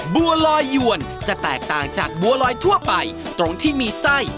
บัวลอยยวนจะแตกต่างจากบัวลอยทั่วไปตรงที่มีไส้